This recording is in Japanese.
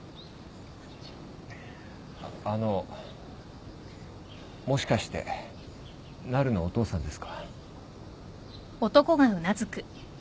あのもしかしてなるのお父さんですか？